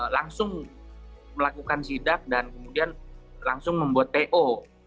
langsung melakukan sidak dan kemudian langsung membuat to